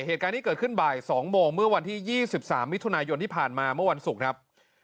เหตุการณ์ที่เกิดขึ้นบ่าย๒โมงเมื่อวันที่๒๓มิถุนายนที่ผ่านมาเมื่อวันศุกร์ครับ